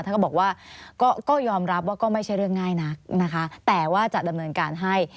ก็บอกว่าก็ยอมรับว่าก็ไม่ใช่เรื่องง่ายนักนะคะแต่ว่าจะดำเนินการให้